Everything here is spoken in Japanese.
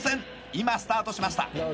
今スタートしました